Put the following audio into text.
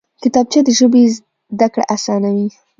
کتابچه د ژبې زده کړه اسانوي